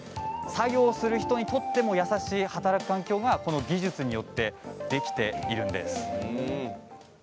作業する人にとっても優しい働く環境が、この技術によってできているんです。